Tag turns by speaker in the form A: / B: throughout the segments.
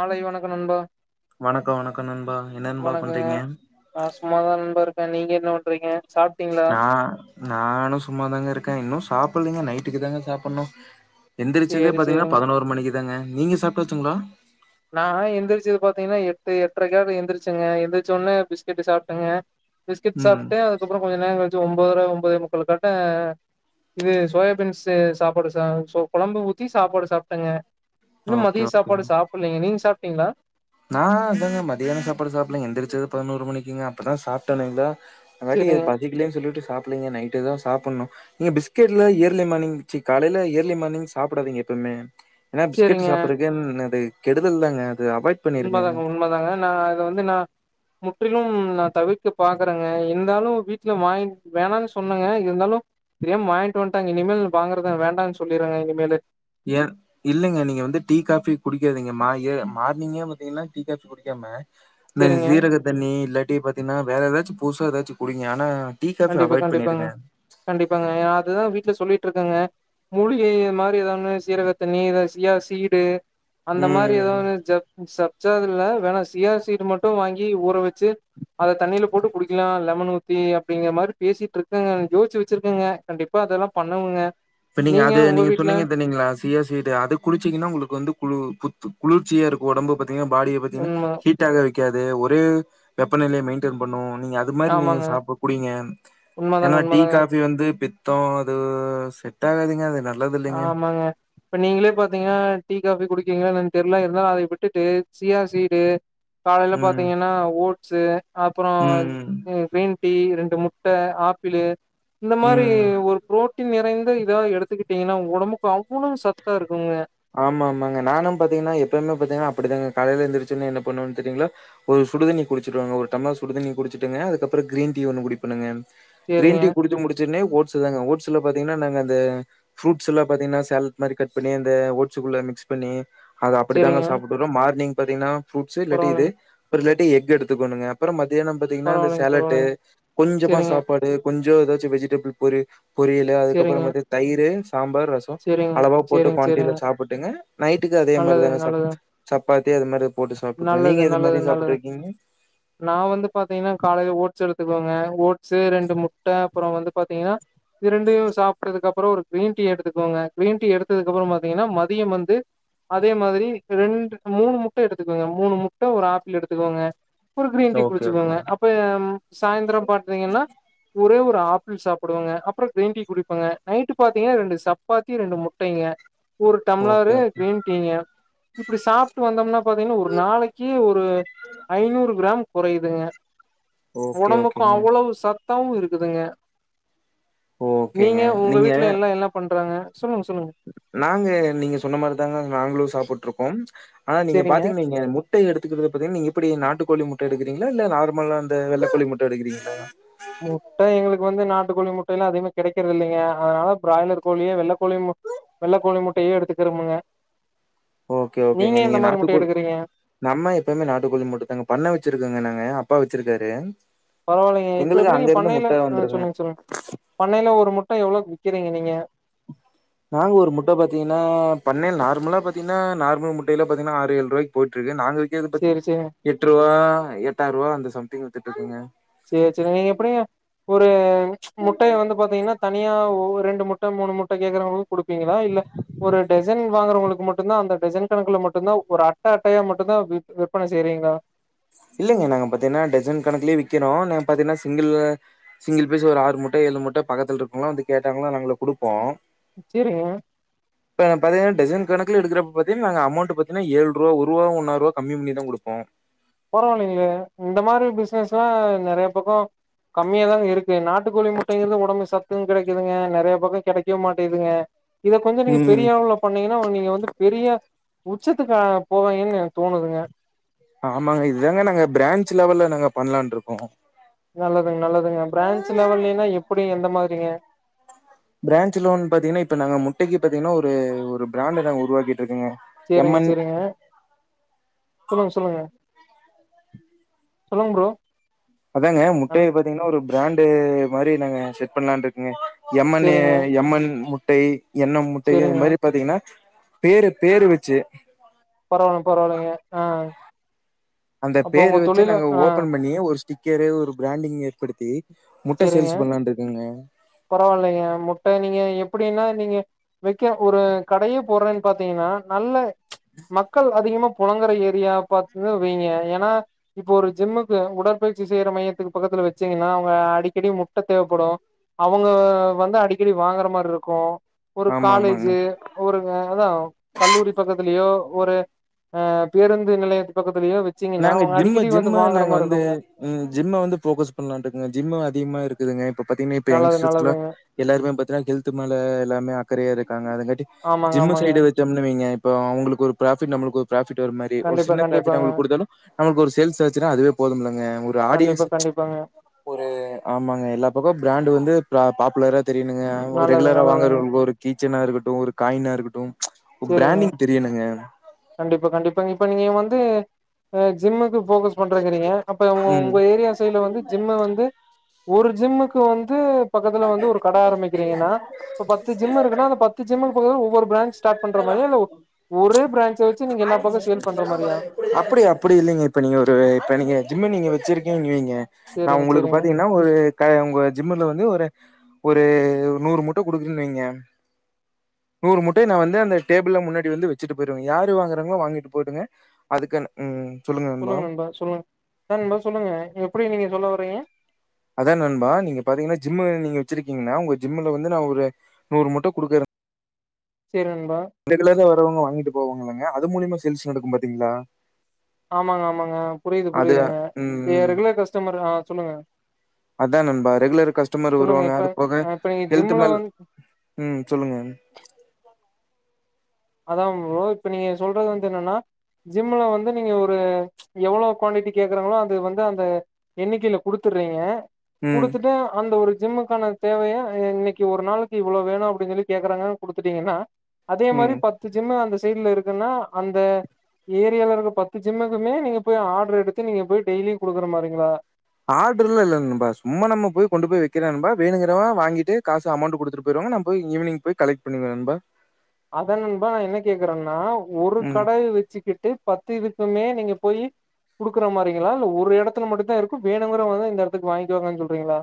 A: மாலை வணக்கம் நண்பா
B: வணக்கோ வணக்கோ நண்பா என்ன நண்பா
A: வணக்கங்க
B: பண்றீங்க
A: சும்மாதா நண்பர் இப்ப நீங்க என்ன பண்றீங்க சாப்ட்டீங்களா
B: நா நானு சும்மாதாங்க இருக்கே இன்னு சாப் புல்லைங்க நைட்டுக்கு தாங்க சாப்புன்ணு எந்திர்ச்சதே
A: சேரி
B: பாத்தீங்னா
A: சேரிங்க
B: பதினோரு மணிக்கு தாங்க நீங்க சாப்டாச்சங்ளா
A: நா ஆனா எந்தரிச்சது பாத்தீங்கனா எட்டு எட்ரைக்காது எந்திரிச்சுங்க எந்திரிச்சொன்னே பிஸ்கெட்டு சாப்ட்டேங்க பிஸ்கெட்
B: ம்
A: சாப்ட்டு அதுக்கப்றம் கொஞ்சோ நேரொ கழிச்சி ஒம் போதர ஒம்போதே முக்கால் கட்ட இது சோயாபீன்சு சாப்பாடு ச சோ கொழம்பு ஊத்தி சாப்பாடு சாப்ட்டங்க இன்னு
B: ஓகே
A: மதிய சாப்பாடு
B: ஓகேங்க
A: சாப் நீங்க சாப்ட்டீங்ளா
B: நா அதாங்க மதியான சாப்பாடு சாப்பிலிங்க எந்திரிச்சது பதினோரு மணிக்குங்க அப்பதா சாப்டே இல்லைங்ளா அதுவாட்டி
A: சேரிங்க
B: பசிக்லேன் சொல்லிட்டு சாப்புல்லீங்க நைட்டு தா சாப்புன்ணு நீங்க பிஸ்கெட்லா இயர்லி மானிங் சி காலைல இயர்லி மானிங் சாப்டாதிங்க எப்பமே ஏனா பிஸ்கெட்டு
A: சேரிங்க
B: சாப்புறக்கே [unintelligible] கெடுதல் தாங்க அது அவா
A: உண்மதாங்க உண்ம தாங்க நா இத வந்து நா முற்றிலும் நா தவிர்க்க பாக்குறங்க இருந்தாலு வீட்ல வாங்கி வேணான் சொன்னங்க இருந்தாலு தெரியாம வாங்கிட்டு வந்ட்டாங்க இனிமேல் வாங்குறத நா வேண்டானு சொல்லிறேங்க இனிமேலு
B: குடிக்காதிங்க மா ஏ மார்னிங்கே பாத்தீங்னா டீ காஃபி குடிக்காம ந்த
A: சேரிங்க
B: ஜீரக தண்ணி இல்லாட்டி டீ பாத்தீனா வேற எதாச்சு புதுசா எதாச்சு குடிங்க ஆனா டீ, காஃபி
A: கண்டிப்பா
B: அவாய்ட்
A: கண்டிப்பாங்க
B: பண்ணிருங்க.
A: கண்டிப்பாங்க ஏ அதுதா வீட் ட்ல சொல்லிட்ருக்கங்க மூலிகை மாரி எதா ஒன்னு சீரக தண்ணி சியா சீடு அந்த மாரி
B: ம்.
A: எதாது ஒன்னு ஜப் சப் ஜாதுல வேணா சியா சீடு மட்டு வாங்கி ஊற வச்சி அத தண்ணில போட்டு குடிக்கலா லெமன் ஊத்தி அப்டிங்க மாரி பேசிட்ருக்கங்க யோசிச்சி வச்சிருக்கங்க கண்டிப்பா அதெல்லா பண்ணவங்க
B: இப்ப நீங்க அது நீங்க சொன்னீங்க தண்ணி ங்ளா சியா சீடு அது குடிச்சீங்னா உங்குளுக்கு வந்து குளு கு குளிர்ச்சியாருக்கு ஒடம்ப பத் திங்னா பாடிய பாத்தீங்னா
A: உண்ம
B: ஹீட்டாகாது க்காது ஒரே வெப்பநிலைய மெயின்டெயின் பண்ணு நீங்க அது மாரி நீங்க
A: ஆமாங்க
B: சாப்பு குடிங்க ஏனா
A: உண்மதாங்க உண்மதாங்க
B: டீ காஃபி வந்து த்தோ அது செட் ட்டாகாதுங்க அதுலா
A: ஆமாங்க ப்ப நீங்ளே பாத்தீங்னா டீ காபி குடுக்கீங்ளா எனன் தெர்ல இருந்தாலு அதை விட்டுட்டு சியா சீடு காலைல
B: ம்.
A: பாத்தீங்கன்னா ஓட் ஸு அப்றோ
B: ம்.
A: பீன் டீ ரெண்டு முட்ட ஆப்பிளு இந்த மாரி
B: ம்
A: ஒரு ப்ரோட் டி நிறைந்த இதா எடுத்துக்கிட் டீங்கனா ஒடம்புக்கு அவ்ளோ சத்தா இருக்குங்க
B: ஆமா அம்மாங்க நானு பாத்தீங்கனா எப்பயுமே பாத்தீங்னா அப்படிதங்க காலைல எந்துருச்சுனே என்ன பண்ணுவன் தெரியுங்ளா ஒரு சுடுதண்ணி குடிச்சுட்டுவங்க ஒரு டம்ளர் சுடுதண்ணி குடிச்சுட்டுங்க அதுக்கப்றோ கிரீன் டீ ஒன்னு குடிப்பண்ணுங்க கிரீன்
A: சேரிங்க
B: டீ குடிச்சி முடிச்சனேவ் ஓட்ஸு தாங்க ஓட்ஸுல பாத்தீங்னா நாங்க அந்த ஃப்ரூட்ஸ்ல பாத்தீங்னா சேல்ட் மாரி கட் பண்ணி அந் தே ஓட்ஸுகுள்ள மிக்ஸ் பண்ணி அத அப்படித்தாங்க
A: சேரிங்க
B: சாப்புட்டுறோ மார்னிங் பத்தீங்னா ஃப்ரூட்ஸு இல்லட்டி இது
A: பரவாயில்லைங்க
B: [unintelligible] எக் எடுத்துகொணுங்க அப்பறொ மக் தியானொ பாத்தீங்னா இந்த
A: பரவாயில்லைங்க
B: சேலட்டு
A: பரவாயில்லைங்க
B: கொஞ்சமா
A: சேரிங்க
B: சாப்பாடு கொஞ் ஜோ எதாச்சு வெஜிடபுல் பொரி பொரியலு அதுக்கப்றொ
A: சேரிங்க
B: பாத்தீங் தயிரு சாம்பார் ரசொம்
A: சேரிங்க
B: அளவா போட்டு
A: சேரிங்க
B: பான் இதுல
A: சேரிங்க
B: சாப்புட்டுங்க நைட்டுக்கு அதே மெரி
A: நல்லது
B: தாங்க
A: நல்லது
B: சப்த்து சப் பாத்தி அது மெரு
A: நல்லது நல்லது நல்லது நா வந்து பாத்தீங்னா காலைல ஓட் சொடுத்துகோங்க ஓட்ஸீ ரெண்டு முட்ட அப்றொ வந்து பாத்தீங்னா இரண்டயும் சாப்ட்டதுக் அப் ப்றோ ஒரு கிரீன் டீ எடுத்துக்கோங்க கீரீன் எடுத்ததுக் அப்றொ பாத்தீங்கனா மதியம் வந்து அதே மாதுரி ரெண்டு மூணு முட்ட எடுத் துகோங்க மூணு முட்ட ஒரு ஆப்பிள் எடுத்துக்கோங்க ஒரு கிரீன் டீ
B: ஓகே ஓகே
A: குடிச்சிகோங்க அப்ப யம் சாய்ந்ரம் பார்த்தீங்கனா ஒரே ஒர் ஆப்பிள் சாப்புடுவங்க அப்றொ கிரீன் டீ குடிப்பாங்க நைட்டு பாத்தீங்னா ரெண்டு சப் பாத்தி ரெண்டு முட்டைங்க ஒரு
B: ஓகே
A: டம்ளாரு
B: ஓகே
A: கிரீன் டீங்க இப்டி சாப்ட்டு வந்தம்னா வென்ன ஒரு நாளக்கி ஒரு ஐநூறு க்ராம் கொறைதுங்க
B: ஓகே
A: ஒடம்புக்கு
B: ஓகேங்க
A: அவுளவு சத் தவ்வு இருக்குதுங்க நீங்க உங்க வீட்ல எல்லா எல்லா பண் அப்றங்க
B: நாங்க நீங்க சொன்ன மாரிதாங்க நாங்ளு சாப்புட்ருக்கோ ஆனா நீங்க
A: சேரிங்க
B: பாத்தீங்கன்வைங்க முட்டை எடுத்துக்குறத பத்தீங் நீங்க எப்படி நாட் நாட்டுக்கோழி முட்ட எடுக்குறீங்களா இல்ல நார்மலா இந்த வெள்ளக்கோழி முட்ட எடுக்குறீங்களா
A: முட்ட எங்ளுக்கு வந்து நாட் நாட்டுகோழி முட்டைலா அதிகமா கெடைக்கிறது இல்லைங்க அதனால பிராய்லர் கோழியே வெள்ளக்கோழி மு வெள்ளக்க கோழி முட்டைய எடுத்துக்குறம்புங்க
B: ஓகே ஓகேங்க நீங்க நாட்டுக்கோழ்
A: எடுக்குறீங்க
B: நம்ம எப்பேமே நாட்டுக்கோழி மட்டும் தாங்க பண்ண வச்சிருக்கோங்க நாங்க அப்பா வெச்சிர்க்காரு
A: பரவாயில்லைங்க இப்ப எப்டிங்க பண்ணையில ஆ
B: வந்துருங்க
A: சொல்லுங்க சொல்லுங்க பண்ணையில ஒரு முட்ட எவ்ளோக்கு விப் க்கிறீங்க நீங்க
B: நாங்க ஒரு முட்ட பாத்தீங்கனா பன்னெய்ல நார்மலா பாத்தீங்கனா நார்மல் முட்டையில பாத்தீங்கனா ஆறு ஏழு ரூவாய்க்கு போயிட்ருக்கு நாங்க விக்கேது பத்தீங்னா
A: சேரி சேரிங்க
B: எட்ரூவா எட்டாயிர்ரூவா அந்த சம்திங் வித்துட்டுறுக்கூங்க
A: சேரி சேரி நீங்க எப்டிங்க ஒரு முட்டைய வந்து பாத்தீங்கனா தனியா ஒ ஒரு ரெண்டு முட்ட மூணு முட்ட கேக்குறவங்ளுக் குடுப்பீங்களா இல்ல ஒரு டசன் வாங்குறவங்களுக் கு மட்டுந்தா அந்த டசன் கணக்குல மட்டுந்தா ஒரு அட்ட அட்டையா மட்டுந்தா விப் விப்பனை செய்றீங்ளா
B: இல்லங்க நாங்க பாத்தீங்கனா டசன் கணக்குலே விக்கிறோ நாங் பாத்தீங்கனா சிங்கிள் சிங்கிள் பீஸ் ஒரு ஆறு முட்ட ஏழு முட்ட பக்கத்துல இருக்கவங்கலா வந்து கேட்டாங்ளா நாங்க குடுப்போ
A: சேரிங்க
B: இப்ப பாத்தீங்கன்ன டசன் கணக்குல எடுக்கறப்ப பாத்தீங்கா நாங்க அமௌண்ட் பாத்தங்கன்னா ஏழு ரூபா ஒர்வா ஒன்னா ரூவா கம்மி பண்ணிதா கொப்போ
A: பரவல்லங்களே இந்த மாரி பிசினஸ்லா நெறைய பக்க கம்மியாதாங்க இருக்கு நாட்டு கோழி முட்டைங்கிறது ஒடம்புக்கு சத்து கெடைக்குதுங்க நெறைய பக்க கெடைக்கவே மாட்டேதுங்க இதை கொஞ்ச நீங்க
B: ம்
A: பெரிய அளவுல பண்ணீங்கன்னா நீங் ங்க வந்து பெரிய உச்சத்துக்கா போவாங்கன்னு தோணுதுங்க
B: ஆமாங்க இதுதாங்க நாங்க பிரான்ஞ்சு லெவல்ல நாங்க பண்ணலான்ருக்கோ
A: நல்லதாங் நல்லதுங்க பிரான்ச் லெவல்லிலா எப்படி எந்த மாரிங்க
B: பிரான்ச் லோன் பாத்தீங்கன்னா இப்ப நாங்க முட்டைக்கு பாத்தீங்கன்னா ஒரு ஒரு பிராண்ட நாங்க உருவாக்கி
A: சரிங்க சரிங்க சொல்லுங்க சொல்லுங்க சொல்லுங்க பரோ
B: அதாங்க முட்டைய பாத்தீங்கன்னா ஒரு ஆண்டு மாரி நாங்க செட் பண்ணலான்ருக்கங்க எம்மன்னு
A: செரிங்க
B: எம்மன் மு ட்டை எண்ண முட்டயோ இது
A: செரிங்க
B: மாரி பாத்தீங்கன்னா பேரு பேரு வச்சு
A: பரவால பரவாயில்லைங்க ஆஹ்
B: அந்த பேரு வச்சு நாங்க ஓபன் பண்ணி ஒரு ஸ்டிக் ஸடிக்கரு ஒரு பிராண்டிங் ஏற்படுத்தி முட்ட
A: சரிங்க
B: சேல்ஸ் பண்ணலான் இருக்கங்க
A: பரவாயில்லைங்க முட்டை நீங்க எப்படி அப்படீனா நீங்க வக்க ஒரு கடையே போடறேங்னு பாத்தீங்கனா நல்ல மக்கள் அதிகமா புலங்கற ஏரியா பாத்து வைங்க ஏன்னா இப்ப ஒரு ஜிம்முக்கு உடற்பயிற்சி செய்ற மையத்துக்கு பக்கத்துல வச்சீங்கன்னா அவங்க அடிக்கடி முட்டை தேவைப்படும் அவங்க வந்து அடிக்கடி வாங்குற மாதிரி இருக்கும் ஒரு
B: ஆமா ஆமாங்க
A: காலேஜ் ஒரு அதான் கல்லூரி பக்கத்துலயோ ஒரு பேருந்து நிலையத்து பக்கத்து
B: நாங்க ஜிம்மு ஜிம்மு நாங்க
A: மாரி
B: வந்து
A: இருக்குங்க
B: ஜிம்மை வந்து ஃபோக்கஸ் பண்ணலாம்ட்டு இருக்கோங்க ஜிம்மு அதிகமா இருக்கு இதுங்க இப்ப பாத்தீங்கன்னா இப்ப
A: நல்லது
B: யங்ஸ்டர்ஸ்
A: நல்லதுங்க
B: எல்லாருமே பாத்தீங்கன்னா ஹெல்து மேல எல்லாமே அக்கறையா இருக்கு இருக்காங்க அததுங்காட்டி
A: ஆமாங்க
B: ஜிம்மு
A: ஆமாங்க
B: சைடு வச்சோம்னுவீங்க இப்ப அவங்களுக்கு ஒரு ப்ராஃபிட் நம்மளுக்கு பிராஃபிட் ஒரு மாரி ஒரு
A: கண்டிப்பா
B: சின்னபிராஃபிட்
A: கண்டிப்பாங்க
B: அவங்களுக்கு கொடுத்தோனா நம்மளுக்கு ஒரு சேல்ஸ் ஆச்சுன்னா அதுவே போதும்லங்க ஒரு
A: கண்டிப்பா
B: ஆடியன்ஸ்
A: கண்டிப்பாங்க
B: ஒரு ஆமாங்க எல்லா பக்கமும் பிராண்ட் வந்து ப ஆப்லறே தெரியனுங்க
A: நல்லது
B: ரெகுலரா
A: நல்லதுங்க
B: வாங்கறவளுக்கு ஒரு கீச்செயினா இருக்கட்டும் ஒரு காயினா இருக்கும் குடும்
A: சரிங்க கண்டிப்பா கண்டிப்பா இப்ப நீங்க வந்து அஹ ஜிம்க்கு ஃபோகஸ் பண்றேங்கறீங்க அப்ப
B: ம்
A: உங்க ஏரியா சைட்ல வந்து ஜிம்ம வந்து ஒரு ஜிம்முக்கு வந்து பக்கத்துல வந்து ஒரு கட ஆரம்பிக்கிறீங்கன்னா பத்து ஜிம் இருக்குன்னா அந்த பத்து ஜிம் இப்ப ஒவ்வொரு பிராஞ்சு பிரான்ச்ச வச்சு நீங்க எல்லா பக்கம் சேல் பண்ற மாரியா
B: அப்படியா அப்படி இல்லைங்க இப்ப நீங்க ஒரு இப்ப நீங்க ஜிம்ம நீங்க வச்சிருக்க ம் ம் நான்
A: சரிங்க
B: உங்களுக்கு
A: சரிங்க
B: பாத்தீங்கன்னா ஒரு உங்க ஜிம்ல வந்து ஒரு ஒரு நூறு முட்டை கொடுக்கன்னுவீங்க நூறு முட்ட நான் வந்து அந்த டேபிள் முன்னாடி வந்து வச்சுட்டு போயிடுவேன் யாரு வாங்குறாங்களோ வாங்கிட்டு போகட்டுங்க அதுக்கு
A: சொல்லுங்க நண்பா சொல்லுங்க நண்பா சொல்லுங்க எப்படி நீங்க சொல்ல இப்பய
B: அதான் நண்பா நீங்க பாத்தீங்கன்னா ஜிம் நீங்க வச்சிருக்கீங்கன்னா உங்க ஜிம்ல வந்து நான் ஒரு நூறு மூட்டை கொடுக்கறேன்
A: சேரி நண்பா
B: வங்க வாங்கிட்டு போவாங்களங்க அது மூலியமா சேல்ஸ் நடக்கும் பாத்தீங்களா
A: ஆமாங்க ஆமாங்க புரியுது
B: அது
A: புரியுதுங்க ஏ ரெகுலர் கஸ்டமர் அ சொல்லுங்க
B: அதான் நண்பா ரெகுலர் கஸ்டமர்
A: சொல்லுங்க
B: வருவாங்க
A: இப்ப
B: அது போக
A: அ இப்ப நீங்க
B: ஹெல்த்
A: ஜிம்ல
B: மேல்
A: வந்து
B: ம் சொல்லுங்க
A: அதா நண்பா இப்ப நீங்க சொல்றது வந்து என்னன்னா ஜிம்ல வந்து நீங்க ஒரு எவ்வளவு குவாடிட்டி கேக்குறாங்களோ அது வந்து அந்த எண்ணிக்கையில குடுத்துடுறீங்க
B: ம்
A: குடுத்துட்டே அந்த ஒரு ஜிம்முக்கான தேவைய இன்னைக்கு ஒரு நாளைக்கு இவ்வளவு வேணு அப்படின்னு சொல்லி கேக்குறாங்கன்னு குடுத்துட்டீங்கன்னா அதே மாரி
B: ம்
A: பத்து ஜிம்மு அந்த சைடுல இருக்குன்னா அந்த ஏரியால இருக்க பத்து ஜிம்முக்குமே நீங்க போய் ஆர்டர் எடுத்து நீங்க போய் டெய்லியு குடுக்குற மாரிங்களா
B: ஆர்டர்ல லா இல்ல நண்பா சும்மா நம்ம போய் கொண்டு போய் வக்கிறே நண்பா வேணுங்கிறவ வாங்கிட்டு காசு அமௌண்ட்டு குடுத்துட்டு போய்ருவாங்க நா போய் ஈவினி்ங் போய் கலெக்ட் பண்ணிருவே நண்பா
A: அதா நண்பா நா என்ன கேக்குறேன்னா ஒரு
B: ம்
A: கட வச்சுக்கிட்டு பத்து இதுக் குமே நீங்க போய் குடுக்குற மாரிங்களா இல்ல ஒரு எடத்துல மட்டு தா இருக்கு வேனுங்கரவங்க வந்து இந்த எடத்துக்கு வாங்க்கிவாங்கன்னு சொல்றீங்களா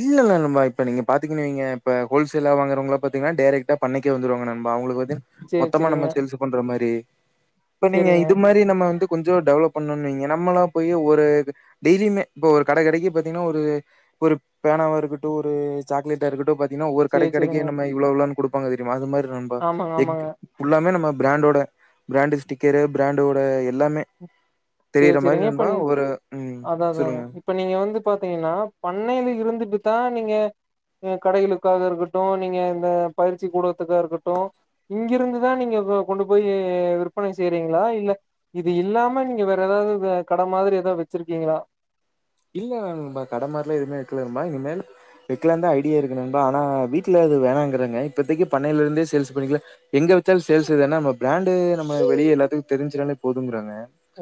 B: இல்ல நண்பா இப்ப நீங்க பாத்தீங்கன் வைங்க இப்ப ஹோல்சேலா வாங்கறவங்களா பாத்தீங்கன்னா டைரக்டா பண்ணைக்கே வந்துருவாங்க நண்பா அவங்களுக்கு
A: சேரி
B: மொத்தமா
A: சேரிங்க
B: நம்ம சேல்ஸ் பண்ற மாரி இப்ப நீங்க
A: சேரிங்க
B: இது மாரி நம்ம வந்து கொஞ்சம் டெவலப் பண்ணுன் வைங்க நம்மலா போய் ஒரு டெய்லியுமே இப்ப ஒரு கட கடைக்கு பாத்தீங்கன்னா ஒரு ஒரு பேனவ வா இருக்கட்டு ஒரு சாக்லேட்டா இருக்கட்டு பா த்திங்கன்னா ஒவ்வொரு
A: சேரி
B: கடைக் கடைக்கு
A: சேரிங்க
B: நம்ம இவ்ள இவ்ளோனு கொடுக் பாங்க தெரியுமா அது மாரி தா நண்பா
A: ஆமாங்க
B: எக்
A: ஆமாங்க
B: ஃபுல்லாமே நம்ம பிராண்டோட பிராண்டு ஸ்டிக்கரு பிராண்டோட எல்லாமே
A: சேரி
B: தெரியற மாரி
A: சேரிங்க இப்ப
B: நண்பா ஒவ்வொரு ம்
A: அதா அதாங்க
B: சொல்லுங்க
A: இப்ப நீங்க வந்து பாத்தீங்கன்னா பண்ணைல இருந்துட்டு தா நீங்க கடைகளுக்காக இருக்கட்டு நீங்க இந்த பயிற்சி கூடகத்துக்கா இருக்கட்டு இங்கிருந்துதா நீங்க கொண்டு போய் விற்பனை செய்றீங்களா இல்ல இது இல்லாம நீங்க ஏதாவது கட மாரி ஏதாவது வச்சிருக்கீங்களா
B: இல்ல நண்பா கடமார்லா எதுவுமே வக்கில நண்பா இனிமேல் வைக்கிலான் தா ஐடியா இருக்கு நண்பா ஆனா வீட்ல இது வேணாங்கறாங்க இப்பதைக்கு பண்ணையில இருந்தே சேல்ஸ் பண்ணிக்கலா எங்க வச்சாலு சேல்ஸ் இதான நம்ம பிராண்டு நம்ம வெளிய எல்லாத்துக்கு தெரிஞ்சிடானே போதுங்கறாங்க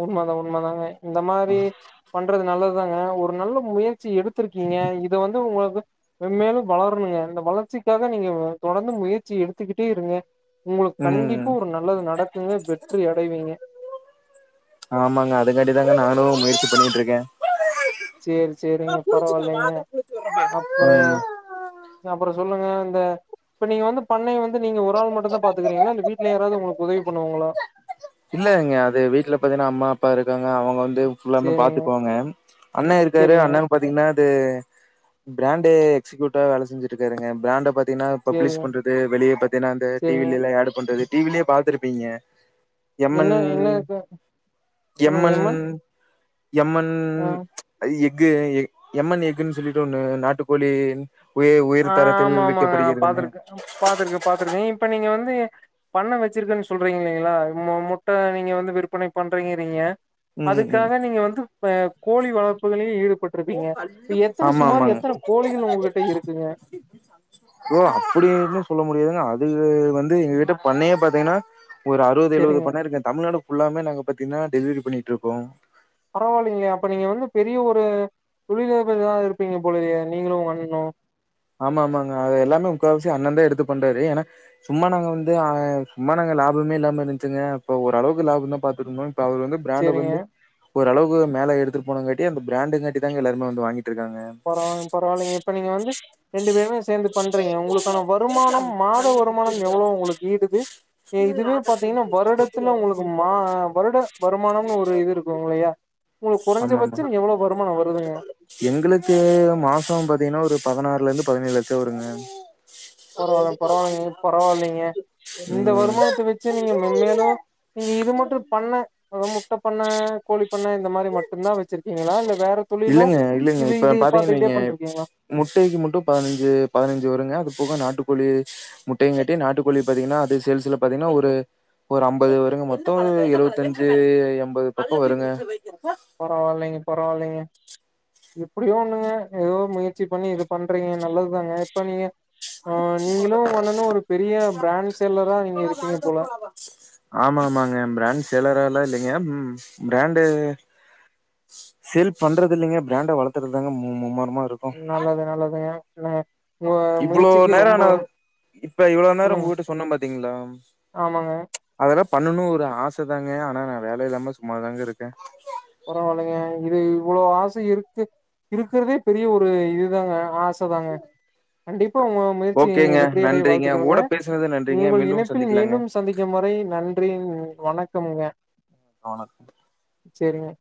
A: உண்ம தா உண்ம தாங்க இந்த மாரி பண்றது நல்லது தாங்க ஒரு நல்ல முயற்சி எடுத்திருக்கீங்க இத வந்து உங்களுக்கு மென்மேலு வளரணுங்க இந்த வளர்ச்சிக்காக நீங்க தொடர்ந்து முயற்சி எடுத்துக்கிட்டே இருங்க உங்களுக்கு
B: ம்
A: கண்டிப்பா ஒரு நல்லது நடக்குங்க வெற்றி அடைவீங்க
B: ஆமாங்க அதுக்காட்டி தாங்க நானும் முயற்சி பண்ணிட்ருக்கே
A: சேரி சேரிங்க பரவால்லைங்க அப்புறம்
B: ம்
A: அப்புறம் சொல்லுங்க அ இப்ப நீங்க வந்து பண்ணைய வந்து நீங்க ஒரு ஆள் மட்டும்தா பாத்துக்கறீங்களா இல்ல வீட்ல யாராவது உங்களுக்கு உதவி பண்ணுவாங்களா
B: இல்லங்க அது வீட்ல பாத்தீங்கன்னா அம்மா அப்பா இருக்காங் க அவங்க வந்து ஃபுல்லாமே
A: சேரிங்க
B: பாத்துக்குவாங்க அண்ணே இருக்காரு
A: சேரிங்க
B: அண்ணேனு பாத்தீங்கன்னா து பிராண்ட எக்ஸிகியூட்டா வேல செஞ்சுட்ருக்காருங்க பிராண்ட பத் தின பப்ளிஷ்
A: சேரிங்க
B: பண்றது வெளிய பாத்தீங்கன்னா அந்த டி
A: சேரிங்க
B: வி-ல எல்லா ஆட் பண்றது டி வி-லயே பாத்துருப்பீங்க
A: என்ன
B: எம்மன்
A: என்ன இருக்கு?
B: எம்மன் எம்மன்
A: ஆ
B: எக் கு எம்மண் எஃகுன் சொல்லிட்டு ஒன்னு நாட்டு கோழி
A: அ ஆமா ஆமாங்க பாத்திருக்கே பாத்துருக்கே பாத்துருக்கே இப்ப நீங்க வந்து பண்ண வச்சிருக்கன் சொல்றீங்க இல்லைங்ளா முட்ட நீங்க வந்து விற்பனை பண்றீங்கிறீங்க
B: ம் ம்
A: அதுக்காக நீங்க வந்து இப்ப கோழி வளப்புகளையு ஈடு பட்ருபிங்க இப்ப எத்தன
B: ஆமா
A: சுமார்
B: ஆமாங்க
A: எத்தன கோழிகள் உங்க்கிட்ட இருக்
B: ஓ அப்டினு சொல்ல முடியாது அது வந்து எங்க கிட்ட பண்ணயே பாத்தீங்கனா ஒரு அறுபது எழுபது
A: சரிங்க
B: பண்ண இருக்கு தமிழ்நாடு ஃபுல்லாவுமே நாங்க பத்தீங்னா டெலிவரி பண்ணிகிட்ருக்கோ
A: பரவா இல்லிங்ளே அப்ப நீங்க வந்து பெரிய ஒரு தொழிலதிபரா இருப்பீங்க போலயே நீங்களு உங்க அண்ணனு
B: ஆமா ஆமாங்க அது எல்லாமே முககாவாசி அண்ணன் தான் எடுத்து பண்றாரு ஏன்னா சும்மா நாங்க வந்து சும்மா நாங்க லாபமே இல்லாம இருந்துச்சுங்க இப்ப ஓளவுக்கு லாப தா பாத்துருக்கோ இப்ப அவுர் வந்து ப்ராண்ட
A: சரிங்க
B: வந்து ஒரு அளவுக்கு மேல எடுத்துட்டு போனங்கட்டி அந்த ப்ராண்டுங்கட்டி தங்க எல்லாரு வந்து வாங்கி
A: பரவால பரவால்லிங்க இப்ப நீங்க வந்து ரெண்டு பேர்மே சேந்து பண்றீங்க உங்களுக்கான வருமானம் மாத வருமானம் எவ்ளோ உங்களுக்கு ஈடுது இதுவே பாத்தீங்கன்னா வருடத்துல உங்களுக்கு மா வருட வருமானம்னு ஒரு இது இருக்கு இல்லயா உங்களுக்கு குறைஞ்ச
B: ஆமா ஆமா
A: பட்சம் நீ எவ்வளவு வருமானம் வருதுங்க
B: த்து மாசோ பாத்தீங்கன்னா ஒரு பதனாறுலேருந்து பதனேழு லட்ச வருங்க
A: பரவால்லை பரவால்லங்க பரவால்லி ங்க இந்த
B: ம்
A: வருமானத்த வச்சு நீங்க மென்மேலு நீங்க இது மட்டு பண்ண அது முட்ட பண்ண கோழி பண்ண இந்த மாரி மட்டுந்தா வச்சிருக்கீங்களா இல்ல வேற தொழிலு
B: இல்லங்க இல்லங்க
A: இது
B: இப்ப
A: இது
B: பாத்தீங்க
A: பாத்துக்கிட்டே
B: வைங்க
A: பண்ட்ருக்கீங்களா
B: முட்டக்கு மட்டு பதுனஞ்சு பதுனஞ்சு வருங்க அது போக நாட்டு கோழி முட்டயுங்கட்டி நாட்டுக்கோழி பாத்தீங்கன்னா அது சேல்ஸ்ல பாத்தீங்கன்னா ஒரு ஒரு அம்பது வருங்க மொத்தம் எழுவத்தஞ்சு எண்பது பக்க வருங்க
A: பரவால்லைங்க பரவால்லைங்க எப்புடியோ ஒன்னு ங்க ஏதோ முயற்சி பண்ணி இது பண்றீங்க நல்லதுதாங்க இப்ப நீங்க ஆ நீங்களு உங்க அண்ணனு ஒரு பெரிய பிராண்ட் செல்லரா நீங்க இருப்பீங்க போல
B: ஆமா ஆமாங்க ப்ராண்ட் சேலராலா இல்லி ங்க பிராண்ட் சேல் பண்றது இல்லிங்க ப்ராண்ட் வளத்துறதாங்க மூம்மர
A: நல்லது நல்லதுங்க ந உங்க
B: இவ்ளோ
A: முயற்சிக்கு
B: நேரம்
A: ரொம்ப
B: நா இப்ப இவ்ளோ நேர
A: சொல்லுங்க
B: உங்க கிட்ட சொன்ன பாத்தீங்ளா
A: ஆமாங்க
B: அதல்லா பண்ணனு ஒரு ஆச தாங்க ஆனா நா வேல இல்லாம சும்மா தாங்க இருக்க
A: பரவாலைங்க இது இவ்வுளோ ஆச இருக்கு இருக்குறதே பெரிய ஒரு இதுதாங்க ஆஸ் தாங்க கண்டிப்பா உங்க முயற்சி
B: ஓகேங்க.
A: வெற்றி அடய
B: நன்றிங்க. உங்க
A: வாழ்த்துக்கங்க
B: கூட பேசுனது நன்றிங்க.
A: உங்கள்
B: மீண்டும்
A: இணைப்பில்
B: சந்திக்கலாங்க.
A: மீண்டும் சந்திக்கும் வரை நன்றி வணக் க்கமுங்க
B: அ வணத்
A: சேரிங்க